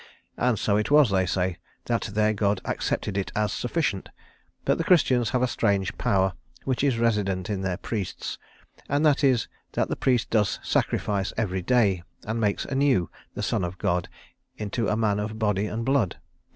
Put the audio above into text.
And so it was, they say, and their God accepted it as sufficient. But the Christians have a strange power which is resident in their priests; and that is, that the priest does sacrifice every day, and makes anew the Son of God into a man of body and blood.